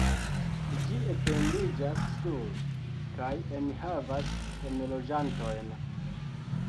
Ĝi etendiĝas sur kaj enhavas enloĝantojn.